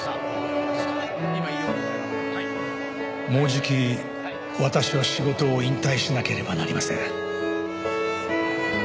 「もうじき私は仕事を引退しなければなりません」